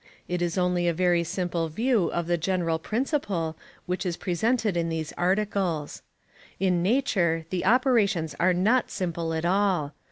It is only a very simple view of the general principle which is presented in these articles. In nature the operations are not simple at all.